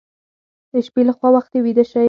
د شپې لخوا وختي ویده شئ.